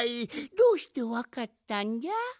どうしてわかったんじゃ？